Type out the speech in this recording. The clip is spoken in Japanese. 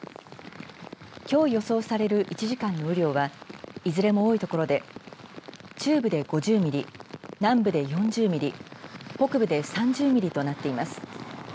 きょう予想される１時間の雨量はいずれも多い所で中部で５０ミリ南部で４０ミリ北部で３０ミリとなっています。